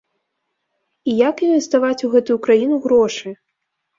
І як інвеставаць у гэту краіну грошы?!